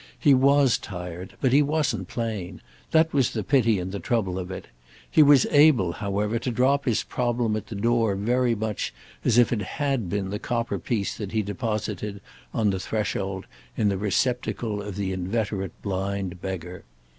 He was tired, but he wasn't plain—that was the pity and the trouble of it; he was able, however, to drop his problem at the door very much as if it had been the copper piece that he deposited, on the threshold, in the receptacle of the inveterate blind beggar.